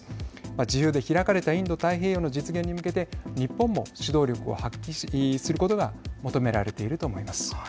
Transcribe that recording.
自由で開かれたインド太平洋の実現に向けて日本も指導力を発揮することが求められていると思います。